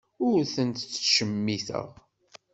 Ur tent-ttcemmiteɣ.